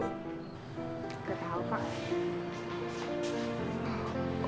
gue tau kak